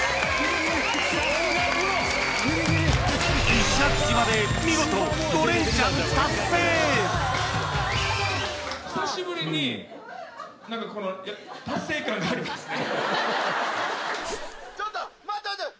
石垣島で見事５連チャン達成久しぶりに何かこの達成感がありますね